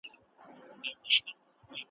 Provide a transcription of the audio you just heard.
همداسي هره وسیله او هر فرصت کاروي `